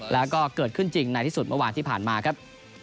แล้วก็เกิดขึ้นจริงในที่สุดเมื่อวานที่ผ่านมาครับ